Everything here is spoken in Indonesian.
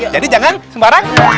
iya jadi jangan sembarangan